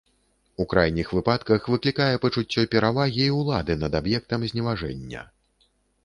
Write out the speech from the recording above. У крайніх выпадках выклікае пачуццё перавагі і ўлады над аб'ектам зневажэння.